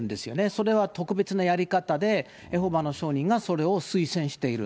それは特別なやり方でエホバの証人がそれを推薦している。